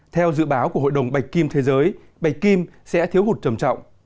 theo dự báo của hội đồng bạch kim thế giới bạch kim sẽ thiếu hụt trầm trọng